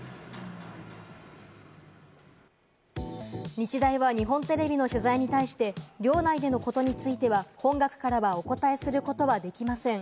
日大は日本テレビの取材に対して、寮内でのことについては、本学からお答えすることはできません。